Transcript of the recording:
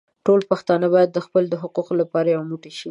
ټول پښتانه بايد د خپلو حقونو لپاره يو موټي شي.